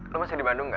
lo masih di bandung gak